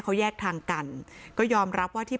เขาแยกทางกันก็ยอมรับว่าที่